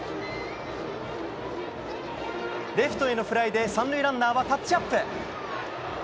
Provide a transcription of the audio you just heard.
レフトへのフライで３塁ランナーはタッチアップ。